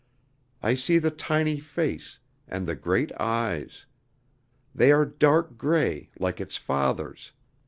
I see the tiny face, and the great eyes. They are dark gray, like its father's.